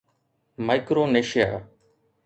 Micronesia